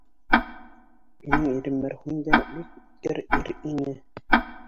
Минең ирем мәрхүм дә бик үткер ир ине.